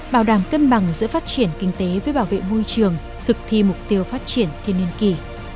bảo đảm cân bằng giữa phát triển kinh tế với bảo vệ môi trường thực thi mục tiêu phát triển thiên niên kỳ